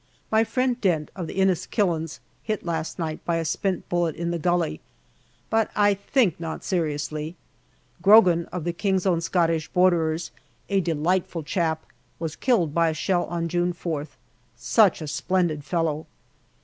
My friend Dent, of the Inniskillings, hit last night by a spent bullet in the gully, but I think not seriously. Grogan, of the K.O.S.B's., a delightful chap, was killed by a shell on June 4th. Such a splendid fellow